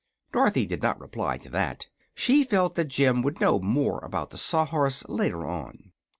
Dorothy did not reply to that. She felt that Jim would know more about the Saw Horse later on.